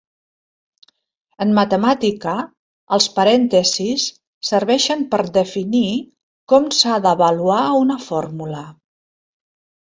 En matemàtica els parèntesis serveixen per definir com s'ha d'avaluar una fórmula.